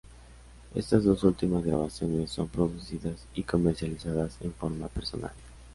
Estas dos últimas grabaciones, son producidas y comercializadas en forma personal.